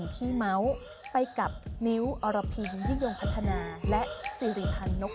ผมว่าท่านควรพัก